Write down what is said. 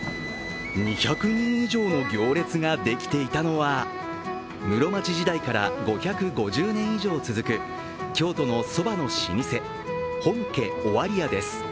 ２００人以上の行列ができていたのは室町時代から５５０年以上続く京都のそばの老舗本家尾張屋です。